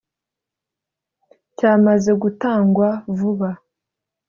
cyamaze gutangwa vuba